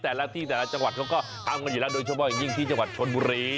แต่ละที่แต่ละจังหวัดเขาก็ทำกันอยู่แล้วโดยเฉพาะอย่างยิ่งที่จังหวัดชนบุรี